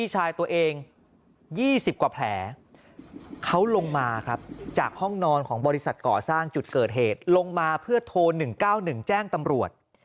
หรือเกิดเหตุลงมาเพื่อโทร๑๙๑แจ้งตำรวจ